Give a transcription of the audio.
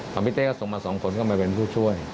หวังพี่เต๊ก็ส่งมา๒คนเข้ามาเป็นผู้ช่วย